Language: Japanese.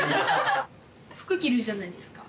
服着るじゃないですか。